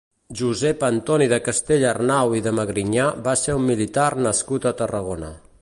Josep Antoni de Castellarnau i de Magrinyà va ser un militar nascut a Tarragona.